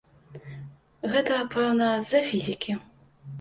Гэта, пэўна, з-за фізікі.